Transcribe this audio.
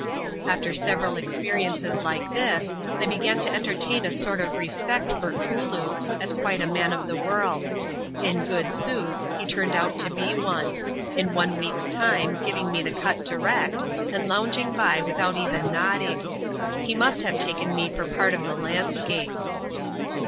After several experiences like this, I began to entertain a sort of rasiiect for Kooloo, as quite a man of the workU In good sooth, he turned out to be one ; in one week's time giving me the cut direct^ and lounging by without even nodding. He must have taken me for part of the landscape.